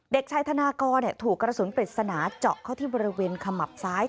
เด็กชายธนากรถูกกระสุนปริศนาเจาะเข้าที่บริเวณขมับซ้าย